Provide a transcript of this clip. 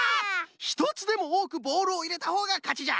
ひとつでもおおくボールをいれたほうがかちじゃ！